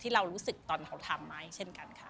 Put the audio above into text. เรารู้สึกตอนเขาทำไหมเช่นกันค่ะ